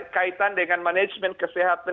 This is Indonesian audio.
kaitan dengan manajemen kesehatan